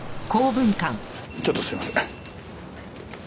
ちょっとすいません。